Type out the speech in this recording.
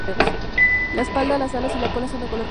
La espalda, las alas y la cola son de color castaño.